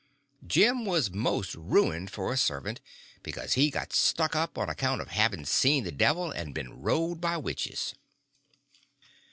Jim was most ruined for a servant, because he got stuck up on account of having seen the devil and been rode by witches.